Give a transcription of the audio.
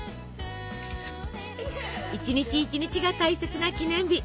一日一日が大切な記念日。